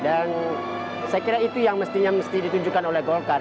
dan saya kira itu yang mestinya ditunjukkan oleh bolkar